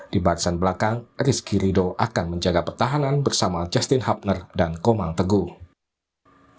di barisan belakang rizky ridho akan menjaga pertahanan bersama justin hubner dan komang teguh